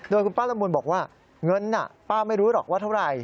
โดยคุณป้าละมุนบอกว่าเงินน่ะป้าไม่รู้หรอกว่าเท่าไหร่